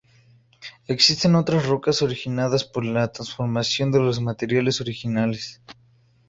Existen otras rocas originadas por la transformación de los materiales originales.